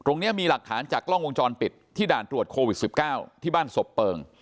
ตรงนี้มีหลักฐานจากกล้องวงจรปิดที่ด่านตรวจโควิด๑๙ที่บ้านศพเปิง